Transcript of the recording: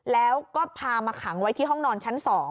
แล้วก็พามาขังไว้ที่ห้องนอนชั้น๒